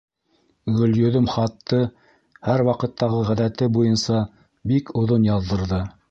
Гөлйөҙөм хатты, һәр ваҡыттағы ғәҙәте буйынса, бик оҙон яҙҙырҙы.